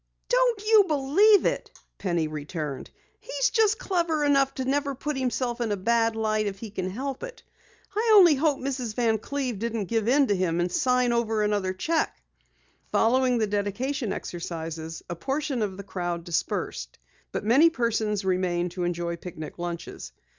"Don't you believe it," Penny returned. "He's just clever enough never to put himself in a bad light if he can help it. I only hope Mrs. Van Cleve didn't give in to him and sign another cheque." Following the dedication exercises, a portion of the crowd dispersed, but many persons remained to enjoy picnic lunches.